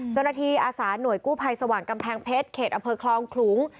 เจ้าหน้าที่อาสานหน่วยกู้ภัยสวรรค์กำแพงเพชรเขตอเผอร์คลองขลูง